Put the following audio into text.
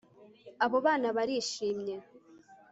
abo bana barishimye